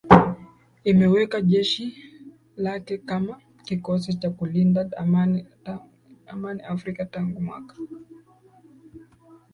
imeweka jeshi lake kama kikosi cha kulinda amani Afrika Tangu mwaka